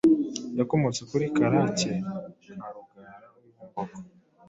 Yakomotse kuri Karake ka Rugara w’i Bumbogo